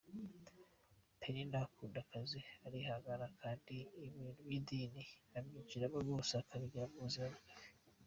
Peninah akunda akazi, arihangana kandi ibintu by’idini abyinjiramo rwose akabigira ubuzima bwe.